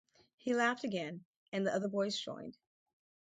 He laughed again, and the other boys joined.